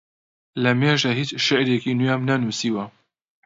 لەمێژە هیچ شیعرێکی نوێم نەنووسیوە.